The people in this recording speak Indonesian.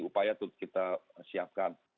upaya untuk kita siapkan